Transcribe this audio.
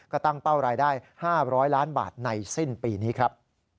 ก็ตั้งเป้ารายได้๕๐๐ล้านบาทในสิ้นปีนี้ครับ